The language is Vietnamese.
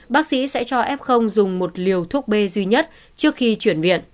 bác sĩ sẽ cho f dùng một liều thuốc b duy nhất trước khi chuyển viện